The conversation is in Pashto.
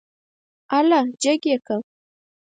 اله جګ يې که.